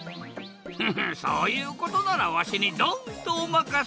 フフッそういうことならわしにドンとおまかせ！